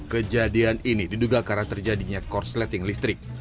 kejadian ini diduga karena terjadinya korsleting listrik